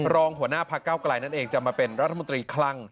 รองหัวหน้าพักเก้าไกลนั่นเองจะมาเป็นรัฐมนตรีคลัง